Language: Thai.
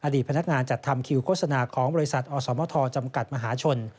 พนักงานจัดทำคิวโฆษณาของบริษัทอสมทจำกัดมหาชน